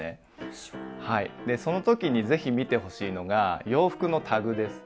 はいその時に是非見てほしいのが洋服のタグです。